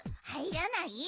入らない？